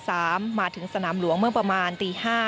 มาถึงสนามหลวงเมื่อประมาณตี๕